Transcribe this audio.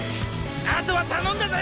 あとは頼んだぜ！